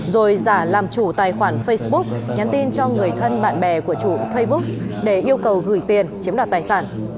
rồi giả làm chủ tài khoản facebook nhắn tin cho người thân bạn bè của chủ facebook để yêu cầu gửi tiền chiếm đoạt tài sản